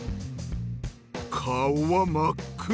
顔は真っ黒。